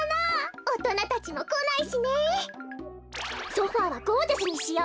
ソファーはゴージャスにしよう。